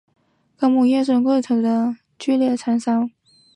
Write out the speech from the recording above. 高锰酸钾固体与纯甘油或一些醇反应会剧烈燃烧。